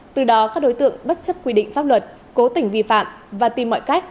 từ đó các đối tượng bất chấp quy định pháp luật cố tình vi phạm và tìm mọi cách